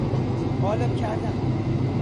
قالب کردن